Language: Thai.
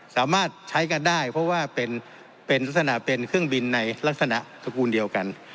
สามารถใช้กันได้เพราะว่าเป็นลักษณะเป็นเครื่องบินในลักษณะตระกูลเดียวกัน